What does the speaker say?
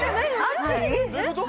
アキ⁉どういうこと